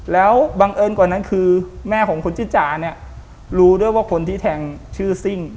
แล้วบังเอิญกว่านั้นคือแม่ของคุณจิจ๋าเนี่ยรู้ด้วยว่าคนที่แทงชื่อซิ่ง